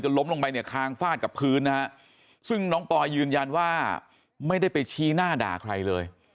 ล้มลงไปเนี่ยคางฟาดกับพื้นนะฮะซึ่งน้องปอยยืนยันว่าไม่ได้ไปชี้หน้าด่าใครเลย